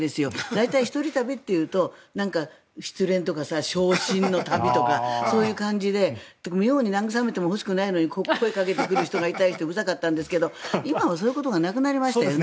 大体一人旅というと失恋とか傷心の旅とかそういう感じで妙に慰めてほしくもないのに声をかけてくる人がいてうるさかったんですが今はそういうことがなくなりましたよね。